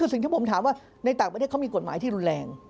คือสิ่งที่ผมถามว่าในต่างประเทศเขามีกฎหมายที่รุนแรง